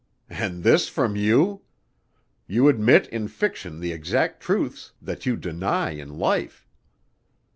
"And this from you! You admit in fiction the exact truths that you deny in life."